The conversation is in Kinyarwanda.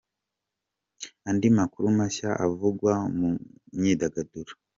Andi makuru mashya avugwa mu myidagaduro.